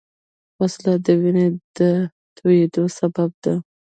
وسله د وینې د تویېدو سبب ده